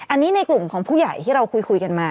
อันนี้ในกลุ่มของผู้ใหญ่ที่เราคุยกันมา